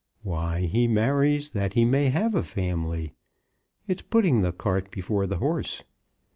Why, he marries that he may have a family. It's putting the cart before the horse.